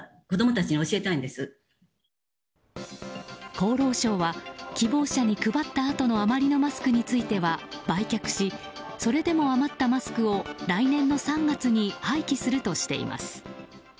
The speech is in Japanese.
厚労省は希望者に配ったあとの余りのマスクについては売却し、それでも余ったマスクを来年の３月に廃棄するとしています。